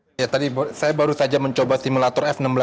ternyata saya baru saja mencoba simulator f enam belas ini